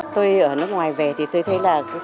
tôi ở nước ngoài về thì tôi thấy là